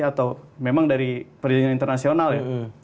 atau memang dari pendidikan internasional ya